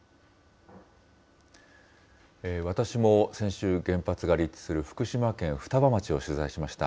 私も先週、原発が立地する福島県双葉町を取材しました。